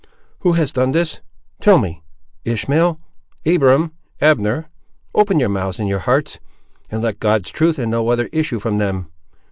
Who has done this? Tell me, Ishmael, Abiram, Abner! open your mouths and your hearts, and let God's truth and no other issue from them.